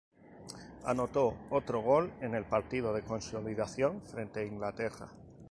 Anotó otro gol en el partido de consolación frente Inglaterra.